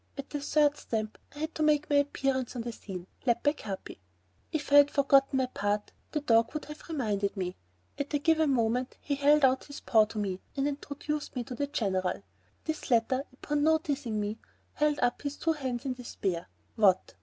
At the third stamp I had to make my appearance on the scene, led by Capi. If I had forgotten my part the dog would have reminded me. At a given moment he held out his paw to me and introduced me to the General. The latter, upon noticing me, held up his two hands in despair. What!